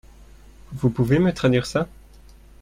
Vous pouvez me traduire ça ?